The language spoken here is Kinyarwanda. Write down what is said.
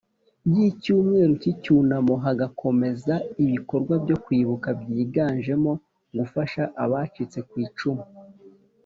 Y icyumweru cy icyunamo hagakomeza ibikorwa byo kwibuka byiganjemo gufasha abacitse kwicumu